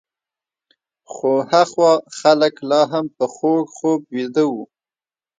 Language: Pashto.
خو هخوا خلک لا هم په خوږ خوب ویده وو.